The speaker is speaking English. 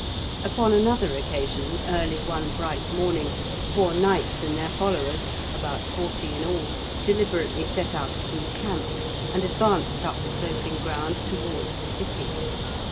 Upon another occasion early one bright morning four knights and their followers, about forty in all, deliberately set out from the camp, and advanced up the sloping ground towards the city.